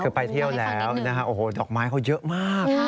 คือไปเที่ยวแล้วดอกไม้เขาเยอะมาก